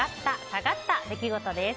下がった出来事です。